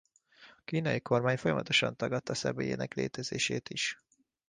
A kínai kormány folyamatosan tagadta személyének létezését is.